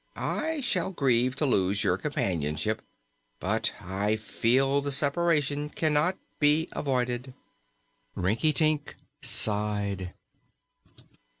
I shall grieve to lose your companionship, but I feel the separation cannot be avoided." Rinkitink sighed.